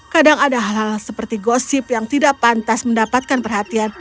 kadang ada hal hal seperti gosip yang tidak pantas mendapatkan perhatian